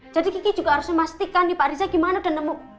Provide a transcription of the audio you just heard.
kiki juga harus memastikan nih pak riza gimana udah nemu